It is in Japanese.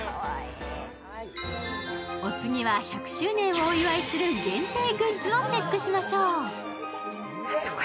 お次は１００周年をお祝いする限定グッズをチェックしましょう。